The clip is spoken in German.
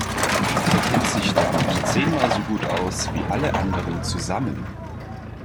Er kennt sich damit zehnmal so gut aus, wie alle anderen zusammen.